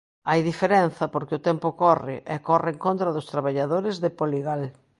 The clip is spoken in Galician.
Hai diferenza, porque o tempo corre, e corre en contra dos traballadores de Poligal.